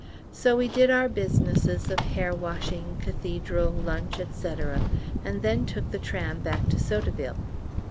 So we did our businesses of hair washing, Cathedral, lunch, &c., and then took the tram back to Sotteville.